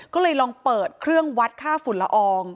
ก็เลยลองเปิดเครื่องวัดค่าฝุ่นละออง